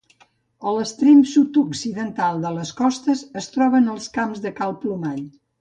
A l'extrem sud-occidental de les Costes es troben els Camps de Cal Plomall.